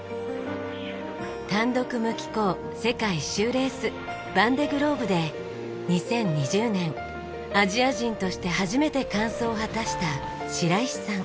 単独無寄港世界一周レースヴァンデ・グローブで２０２０年アジア人として初めて完走を果たした白石さん。